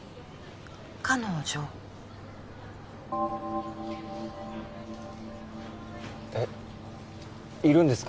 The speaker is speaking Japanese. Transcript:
彼女えっいるんですか？